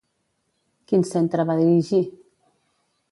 Quin centre va dirigir?